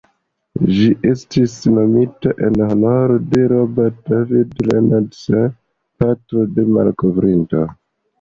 Ĝi estis nomita en honoro de "Robert David Leonard Sr.", patro de la malkovrinto.